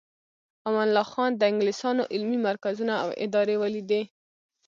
امان الله خان د انګلیسانو علمي مرکزونه او ادارې ولیدې.